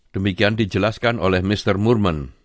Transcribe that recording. demikian dijelaskan oleh mr mormen